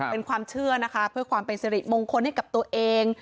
เป็นความเชื่อนะคะเพื่อความเป็นสิริมงคลให้กับตัวเอง